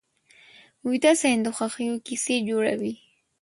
ویده ذهن د خوښیو کیسې جوړوي